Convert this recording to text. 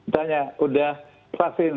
tanya sudah vaksin